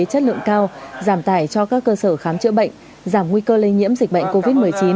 chất lượng cao giảm tải cho các cơ sở khám chữa bệnh giảm nguy cơ lây nhiễm dịch bệnh covid một mươi chín